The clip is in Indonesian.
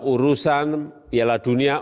urusan piala dunia